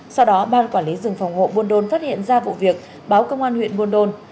sau đó ban quản lý rừng phòng hộ buôn đôn phát hiện ra vụ việc báo công an huyện buôn đôn